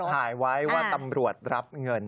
ถ่ายไว้ว่าตำรวจรับเงิน